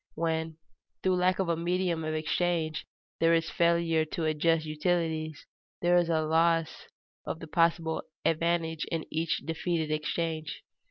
When, through lack of a medium of exchange, there is a failure to adjust utilities, there is a loss of the possible advantage in each defeated exchange.